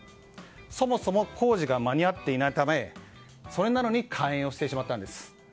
そもそも工事が間に合っていないためそれなのに開園をしてしまったんです。